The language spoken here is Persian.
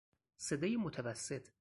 صدای متوسط